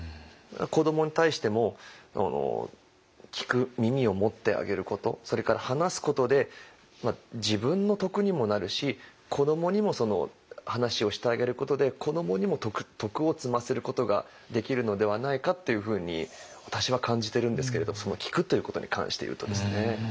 子どもに対しても聞く耳を持ってあげることそれから話すことで自分の徳にもなるし子どもにもその話をしてあげることで子どもにも徳を積ませることができるのではないかっていうふうに私は感じてるんですけれどその聴くということに関していうとですね。